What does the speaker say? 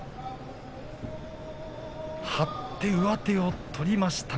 張って、上手を取りました。